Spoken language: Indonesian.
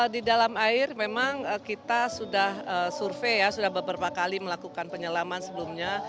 di dalam air memang kita sudah survei ya sudah beberapa kali melakukan penyelaman sebelumnya